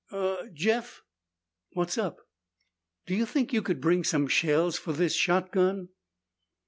"Uh Jeff." "What's up?" "Do you think you could bring some shells for this shotgun?"